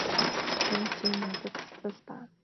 Харин чи надад тусал л даа.